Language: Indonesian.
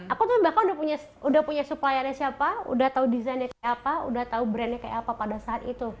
aku tuh bahkan udah punya suppliernya siapa udah tahu desainnya kayak apa udah tau brandnya kayak apa pada saat itu